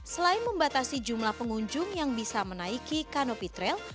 selain membatasi jumlah pengunjung yang bisa menaiki kano fitril